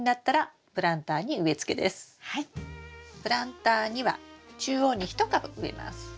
プランターには中央に１株植えます。